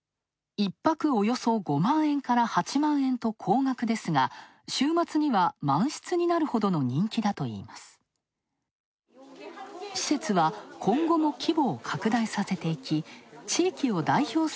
１泊、およそ５万円から８万円と高額ですが週末には、満室になるほどの人気だといいます。